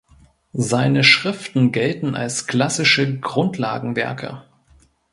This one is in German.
Seine Schriften gelten als klassische Grundlagenwerke.